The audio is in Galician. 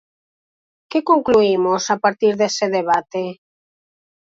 ¿Que concluímos a partir dese debate?